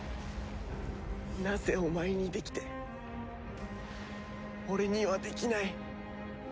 なぜお前にできて俺にはできない？